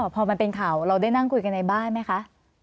พอมันเป็นข่าวเราได้นั่งคุยกันในบ้านไหมคะ